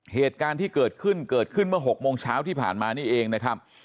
เหตุการณ์ที่เกิดขึ้นเกิดขึ้นเมื่อ๖โมงเช้าที่ผ่านมานี่เองนะครับ